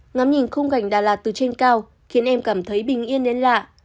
ngắm nhìn khung cảnh đà lạt từ trên cao khiến em cảm thấy bình yên đến lạ